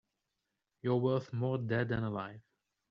You're worth more dead than alive.